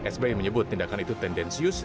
sbi menyebut tindakan itu tendensius